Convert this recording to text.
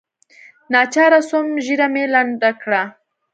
ناچاره سوم ږيره مې لنډه کړه.